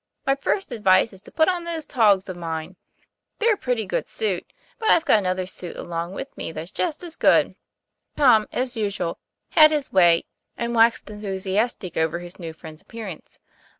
My first advice is to put on those togs of mine. They're a pretty good suit; but I've another suit along with me that's just as good." Tom, as usual, had his way, and waxed enthusias tic over his new friend's appearance.